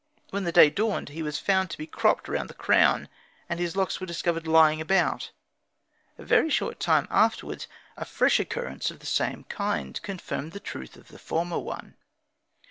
When day dawned he was found to be cropped round the crown, and his locks were discovered lying about. A very short time afterwards a fresh occurrence of the same kind confirmed the truth of the former one.